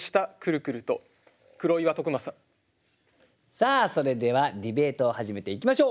さあそれではディベートを始めていきましょう。